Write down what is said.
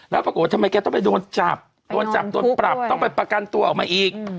แล้วปรากฏว่าทำไมแกต้องไปโดนจับโดนจับโดนปรับต้องไปประกันตัวออกมาอีก